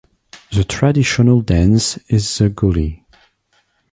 The traditional dance is the Goli.